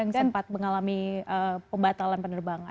sempat mengalami pembatalan penerbangan